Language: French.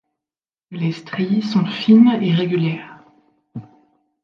Les stries sont fines et régulières.